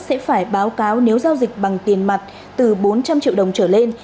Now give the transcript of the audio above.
sẽ phải báo cáo nếu giao dịch bằng tiền mặt từ bốn trăm linh triệu đồng trở lên